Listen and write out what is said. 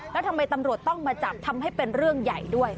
แล้วทำไมตำรวจต้องมาจับทำให้เป็นเรื่องใหญ่ด้วย